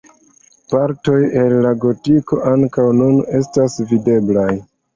Partoj el la gotiko ankaŭ nun estas videblaj.